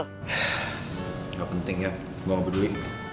enggak penting ya gue gak peduli